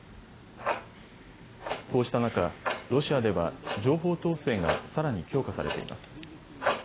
こうした中、ロシアでは情報統制がさらに強化されています。